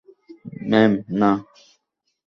Ma'am, না!